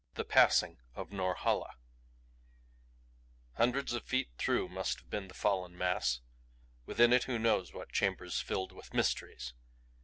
THE PASSING OF NORHALA Hundreds of feet through must have been the fallen mass within it who knows what chambers filled with mysteries?